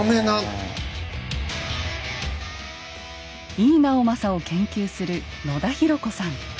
井伊直政を研究する野田浩子さん。